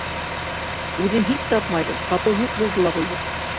Үҙен һис тапмайбыҙ, ҡапыл юҡ булды ла ҡуйҙы.